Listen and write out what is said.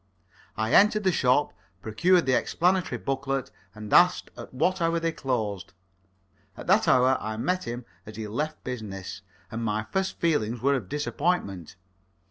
I entered the shop, procured the explanatory booklet, and asked at what hour they closed. At that hour I met him as he left business, and my first feelings were of disappointment.